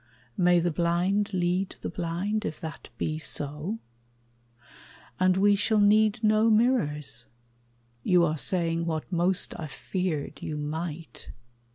May the blind lead the blind, if that be so? And we shall need no mirrors? You are saying What most I feared you might.